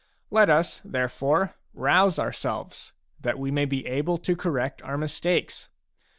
Let us, therefore, rouse ourselves, that we may be able to correct our mistakes.